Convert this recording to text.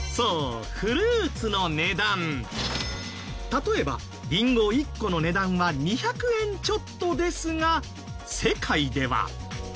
例えばりんご１個の値段は２００円ちょっとですが世界では。